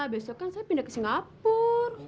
besok kan saya pindah ke singapura